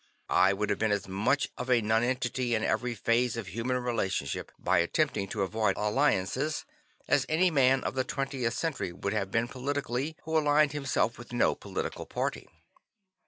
I would have been as much of a nonentity in every phase of human relationship by attempting to avoid alliances, as any man of the 20th Century would have been politically, who aligned himself with no political party.